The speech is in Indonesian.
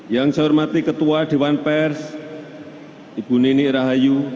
yang saya hormati ketua dewan pers ibu nini rahayu